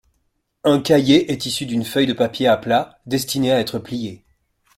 Un cahier est issu d'une feuille de papier à plat destinée à être pliée.